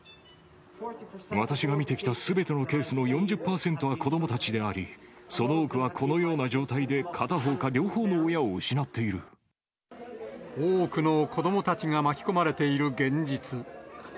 私が見てきたすべてのケースの４０％は子どもたちであり、その多くはこのような状態で、多くの子どもたちが巻き込まれている現実。